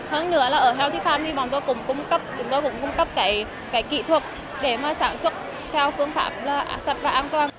hơn nữa là ở healthy farm thì chúng tôi cũng cung cấp cái kỹ thuật để mà sản xuất theo phương pháp sạch và an toàn